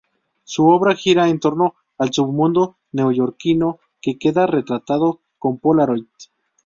Su obra gira en torno al submundo neoyorquino, que queda retratado con Polaroid.